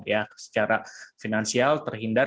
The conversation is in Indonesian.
jadi biaya yang sudah terhindar